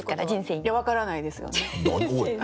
いや分からないですよね。